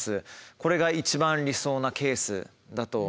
これが一番理想なケースだと思いますね。